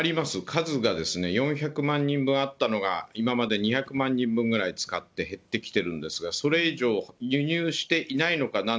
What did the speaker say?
数が４００万人分あったのが、今まで２００万人分ぐらい使って減ってきてるんですが、それ以上、輸入していないのかな